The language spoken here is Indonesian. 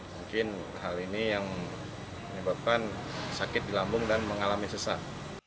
mungkin hal ini yang menyebabkan sakit di lambung dan mengalami sesak